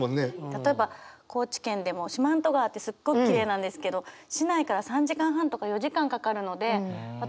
例えば高知県でも四万十川ってすっごくきれいなんですけど市内から３時間半とか４時間かかるので私